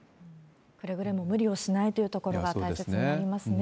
くれぐれも無理をしないというところが大切になりますね。